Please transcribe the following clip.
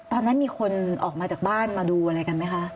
ตอนนั้นมีคนออกมาจากบ้านมาดูอะไรกันไหมคะ